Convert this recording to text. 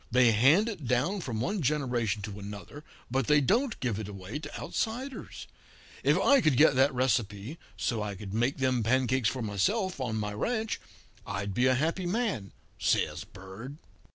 They hand it down from one generation to another, but they don't give it away to outsiders. If I could get that recipe, so I could make them pancakes for myself on my ranch, I'd be a happy man,' says Bird.